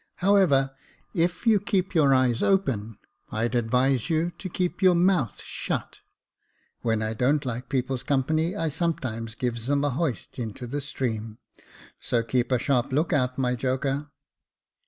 However, if you keep your eyes open, I'd advise you to keep your mouth shut. When I don't like people's company, I sometimes give them a hoist into the stream — so keep a sharp look out, my joker."